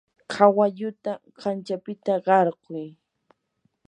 kawalluta kanchapita qarquy.